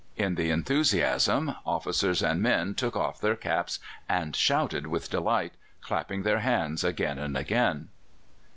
In the enthusiasm officers and men took off their caps and shouted with delight, clapping their hands again and again."